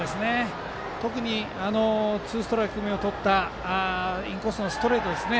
特にツーストライク目をとったインコースのストレートですね